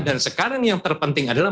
dan sekarang yang terpenting adalah